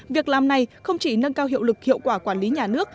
việc làm này không chỉ nâng cao hiệu lực hiệu quả quản lý nhà nước